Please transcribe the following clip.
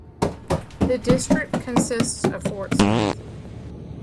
The district consists of Fort Smith.